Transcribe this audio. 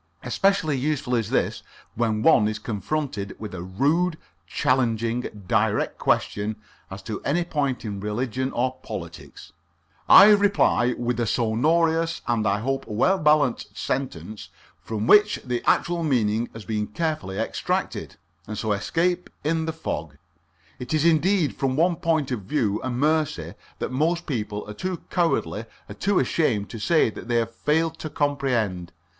Especially useful is this when one is confronted with a rude, challenging, direct question as to any point in religion or politics; I reply with a sonorous and, I hope, well balanced sentence, from which the actual meaning has been carefully extracted, and so escape in the fog. It is indeed from one point of view a mercy that most people are too cowardly or too ashamed to say that they have failed to comprehend.